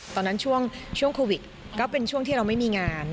ช่วงโควิดก็เป็นช่วงที่เราไม่มีงาน